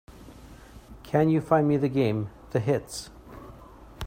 Can you find me the game, The Hits?